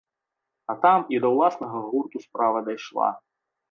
А там і да ўласнага гурту справа дайшла.